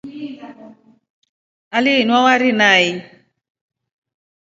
Aliinwa pombe nai.